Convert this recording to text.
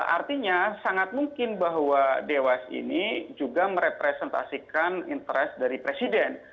artinya sangat mungkin bahwa dewas ini juga merepresentasikan interest dari presiden